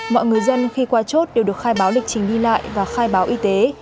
mọi người dân khi qua chốt đều được khai báo lịch trình đi lại và khai báo y tế